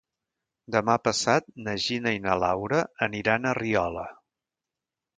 Demà passat na Gina i na Laura aniran a Riola.